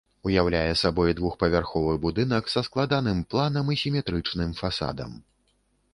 Уяўляе сабой двухпавярховы будынак са складаным планам і сіметрычным фасадам.